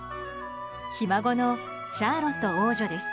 ひ孫のシャーロット王女です。